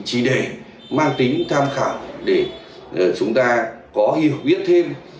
chỉ để mang tính tham khảo để chúng ta có hiệu quyết thêm